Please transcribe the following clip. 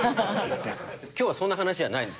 今日はそんな話じゃないんですよ。